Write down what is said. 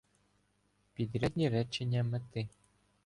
Підрядні речення мети